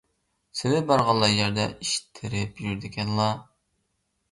سىلى بارغانلا يەردە ئىش تېرىپ يۈرىدىكەنلا.